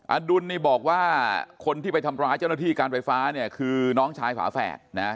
อดุลนี่บอกว่าคนที่ไปทำร้ายเจ้าหน้าที่การไฟฟ้าเนี่ยคือน้องชายฝาแฝดนะ